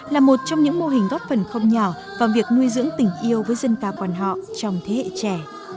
là một trong những mô hình góp phần không nhỏ vào việc nuôi dưỡng tình yêu với dân ca quan họ trong thế hệ trẻ